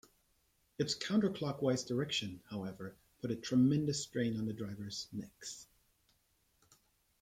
Its counter-clockwise direction, however, put a tremendous strain on the drivers' necks.